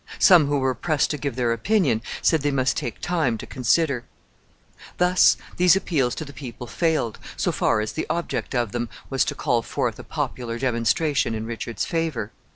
Some who were pressed to give their opinion said they must take time to consider. Thus these appeals to the people failed, so far as the object of them was to call forth a popular demonstration in Richard's favor.